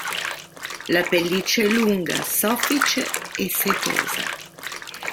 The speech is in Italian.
La pelliccia è lunga, soffice e setosa.